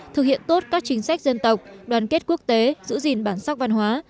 thực hiện tốt các chính sách dân tộc đoàn kết quốc tế giữ gìn bản sắc văn hóa